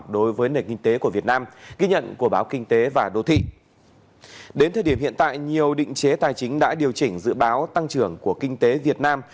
đến thời điểm hiện tại nhiều định chế tài chính đã điều chỉnh dự báo tăng trưởng của kinh tế việt nam